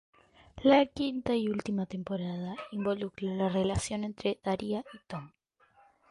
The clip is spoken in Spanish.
La quinta y última temporada involucra la relación entre Daria y Tom.